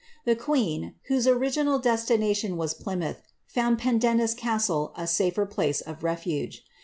The queen, whose original destination was 'lymouth, found Pendennis castle a safer place of refuge.